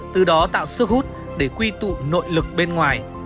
từ đó tạo sức hút để quy tụ nội lực bên ngoài